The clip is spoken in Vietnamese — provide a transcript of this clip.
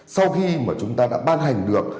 sau khi mà chúng ta đã ban hành được